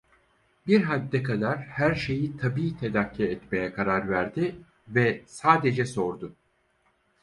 Bir hadde kadar her şeyi tabii telakki etmeye karar verdi ve sadece sordu: